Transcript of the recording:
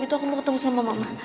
kau mau ketemu sama mama nana